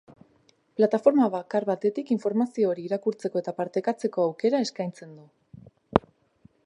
Plataforma bakar batetik informazio hori irakurtzeko eta partekatzeko aukera eskaintzen du.